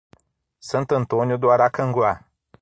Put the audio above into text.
Santo Antônio do Aracanguá